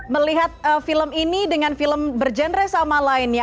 melihat film ini dengan film berjenre sama lainnya